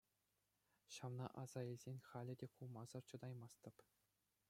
Ҫавна аса илсен, халӗ те кулмасӑр чӑтаймастӑп.